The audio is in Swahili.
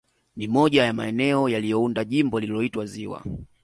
Ni moja ya maeneo yaliyounda Jimbo lililoitwa ziwa